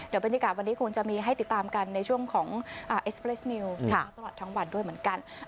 เดี๋ยวบรรยากาศวันนี้คงจะมีให้ติดตามกันในช่วงของเอสเปรสมิลตลอดทั้งวันด้วยเหมือนกัน